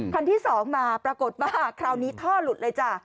คันที่๒มาปรากฏว่าคราวนี้ท่อหลุดเลยจ้ะ